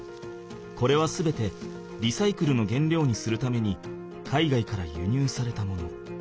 これは全てリサイクルの原料にするために海外からゆにゅうされたもの。